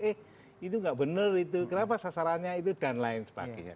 eh itu nggak benar itu kenapa sasarannya itu dan lain sebagainya